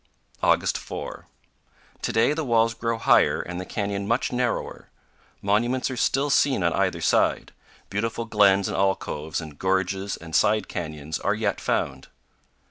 August 4. To day the walls grow higher and the canyon much narrower. Monuments are still seen on either side; beautiful glens and alcoves and gorges and side canyons are yet found.